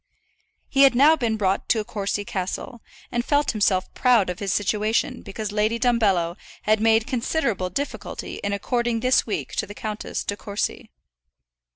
He had now been brought to Courcy Castle, and felt himself proud of his situation because Lady Dumbello had made considerable difficulty in according this week to the Countess De Courcy.